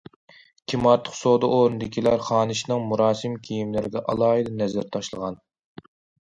كىمئارتۇق سودا ئورنىدىكىلەر خانىشنىڭ مۇراسىم كىيىملىرىگە ئالاھىدە نەزەر تاشلىغان.